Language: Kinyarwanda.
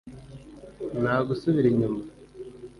nta gusubira inyuma?